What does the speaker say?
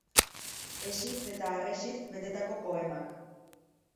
Hesiz eta harresiz betetako poemak.